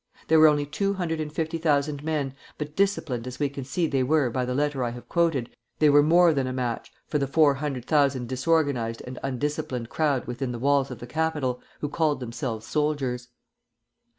They were only two hundred and fifty thousand men, but, disciplined as we can see they were by the letter I have quoted, they were more than a match for the four hundred thousand disorganized and undisciplined crowd within the walls of the capital, who called themselves soldiers.